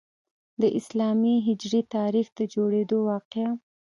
د اسلامي هجري تاریخ د جوړیدو واقعه.